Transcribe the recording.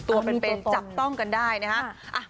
ตัวเป็นเป็นจับต้องกันได้นะครับ